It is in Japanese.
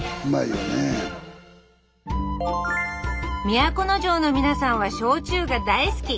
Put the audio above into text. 都城の皆さんは焼酎が大好き。